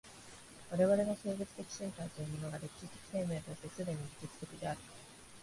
我々の生物的身体というものが歴史的生命として既に技術的である。